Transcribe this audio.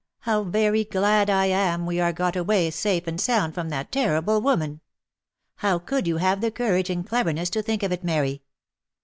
How very glad I am we are got away safe and sound from that terrible woman ! How could you have the courage and cleverness to think of it, Mary